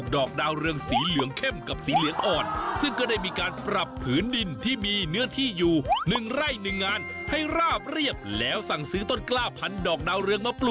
ดอกดาวเรืองนี่แหละครับ